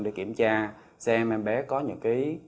để kiểm tra xem em bé có những cái